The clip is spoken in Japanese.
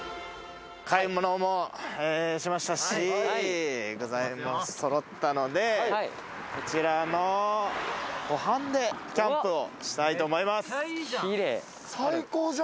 買い物もしましたし、具材もそろったので、湖畔でキャンプをしたいと思います。